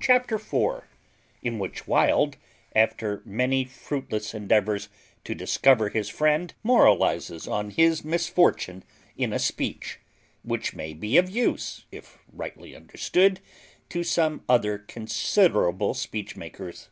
CHAPTER FOUR IN WHICH WILD, AFTER MANY FRUITLESS ENDEAVOURS TO DISCOVER HIS FRIEND, MORALISES ON HIS MISFORTUNE IN A SPEECH, WHICH MAY BE OF USE (IF RIGHTLY UNDERSTOOD) TO SOME OTHER CONSIDERABLE SPEECH MAKERS.